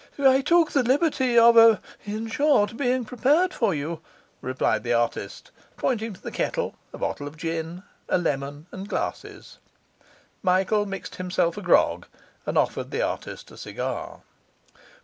'I took the liberty of in short, of being prepared for you,' replied the artist, pointing to a kettle, a bottle of gin, a lemon, and glasses. Michael mixed himself a grog, and offered the artist a cigar.